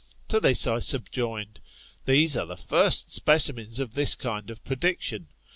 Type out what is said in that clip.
To this, I subjoined, These are the first specimens of this kind of prediction.